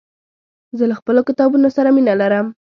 زه له خپلو کتابونو سره مينه لرم.